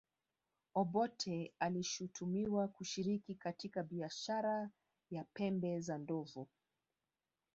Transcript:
obote alishutumiwa kushiriki katika biashara ya pembe za ndovu